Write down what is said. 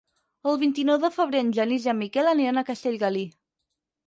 El vint-i-nou de febrer en Genís i en Miquel aniran a Castellgalí.